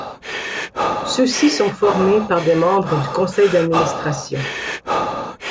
Ceux-ci sont formés par des membres du conseil d'administration.